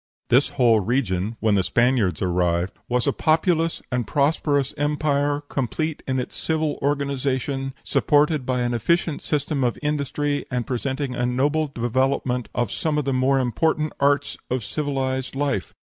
This whole region, when the Spaniards arrived, "was a populous and prosperous empire, complete in its civil organization, supported by an efficient system of industry, and presenting a notable development of some of the more important arts of civilized life."